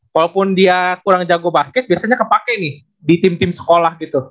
walaupun dia kurang jago bangkit biasanya kepake nih di tim tim sekolah gitu